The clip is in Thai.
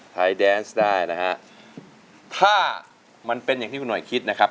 แดนซ์ได้นะฮะถ้ามันเป็นอย่างที่คุณหน่อยคิดนะครับ